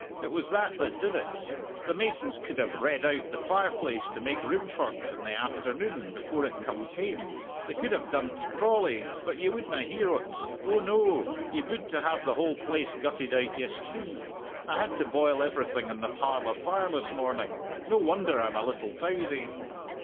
It was that that did it! The masons could have redd out the fireplace to make room for't in the afternoon before it comes hame. They could have done't brawly, but ye wouldna hear o't oh no; ye bude to have the whole place gutted out yestreen. I had to boil everything on the parlour fire this morning; no wonder I'm a little tousy!"